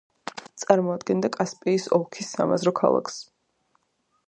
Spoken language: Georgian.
წარმოადგენდა კასპიის ოლქის სამაზრო ქალაქს.